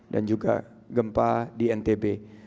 dan juga gempa di ntb